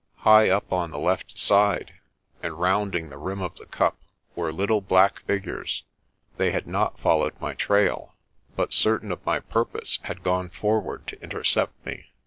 High up on the left side, and rounding the rim of the cup, were little black figures. They had not followed my trail, but certain of my purpose, had gone forward to intercept me.